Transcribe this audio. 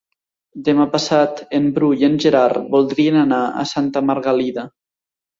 Demà passat en Bru i en Gerard voldrien anar a Santa Margalida.